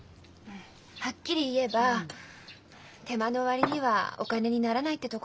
はっきり言えば手間の割にはお金にならないってとこかなあ。